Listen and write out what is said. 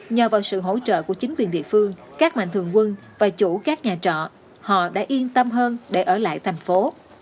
nhờ vào sự hỗ trợ của chính quyền địa phương các mạnh thường quân và chủ các nhà trọ họ đã yên tâm hơn để ở lại thành phố